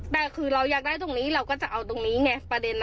แต่คือเราอยากได้ตรงนี้เราก็จะเอาตรงนี้ไงประเด็น